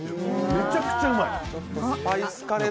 めちゃくちゃうまい。